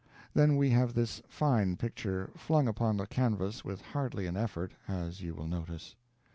Then we have this fine picture flung upon the canvas with hardly an effort, as you will notice.